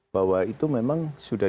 bahwa itu memang sudah